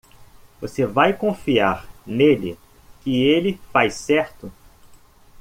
Você vai confiar nele que ele faz certo?